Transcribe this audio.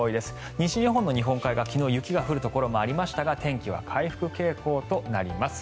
西日本の日本海側昨日、雪が降るところもありましたが天気は回復傾向となります。